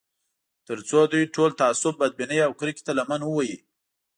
تر څو دوی ټول تعصب، بدبینۍ او کرکې ته لمن ووهي